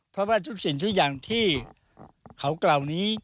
เพราะว่าทุกสิ่งทุกอย่างที่เขากล่าวนี้